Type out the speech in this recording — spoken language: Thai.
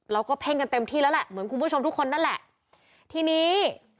เพ่งกันเต็มที่แล้วแหละเหมือนคุณผู้ชมทุกคนนั่นแหละทีนี้